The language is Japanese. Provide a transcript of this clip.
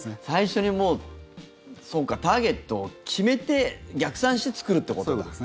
最初にターゲットを決めて逆算して作るってことだ。